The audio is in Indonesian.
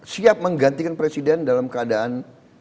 siap menggantikan presiden dalam keadaan